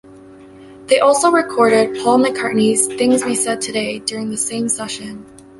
They also recorded Paul McCartney's "Things We Said Today" during the same session.